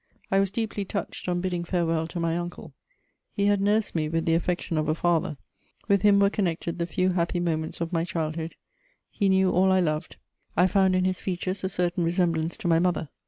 I was deeply touched, on bidding farewell to my uncle: he had nursed me with the affection of a father; with him were connected the few happy moments of my childhood; he knew all I loved; I found in his features a certain resemblance to my mother.